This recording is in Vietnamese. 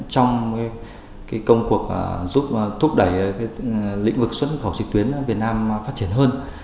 trong công cuộc giúp thúc đẩy lĩnh vực xuất khẩu trực tuyến việt nam phát triển hơn